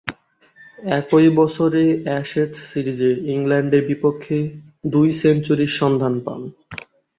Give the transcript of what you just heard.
একই বছরে অ্যাশেজ সিরিজে ইংল্যান্ডের বিপক্ষে দুই সেঞ্চুরির সন্ধান পান।